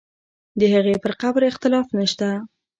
د هغې پر قبر اختلاف نه شته.